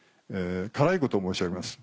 辛いことを申し上げます。